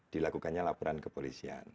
dilakukannya laporan kepolisian